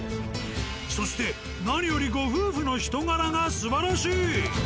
そして何よりご夫婦の人柄がすばらしい。